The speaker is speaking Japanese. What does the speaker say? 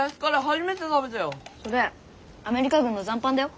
それアメリカ軍の残飯だよ。